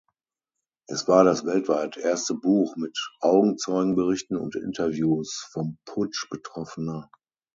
Es war „das weltweit erste Buch mit Augenzeugenberichten und Interviews vom Putsch Betroffener“.